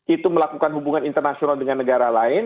itu melakukan hubungan internasional dengan negara lain